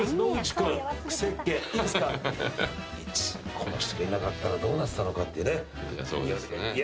この人がいなかったらどうなってたのかっていうね。